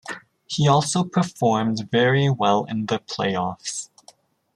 He also performed very well in the playoffs.